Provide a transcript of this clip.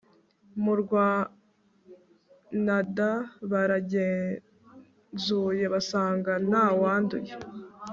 murwnada baragenzuye basanga ntawanduye